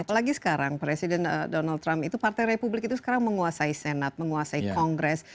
apalagi sekarang presiden donald trump itu partai republik itu sekarang menguasai senat menguasai kongres